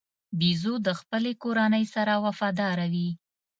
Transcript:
بیزو د خپلې کورنۍ سره وفاداره وي.